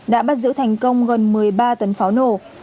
đã bắt giữ thành công gần một mươi ba tấn pháo nổ